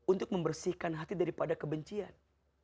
untuk membersihkan hati daripada kebencian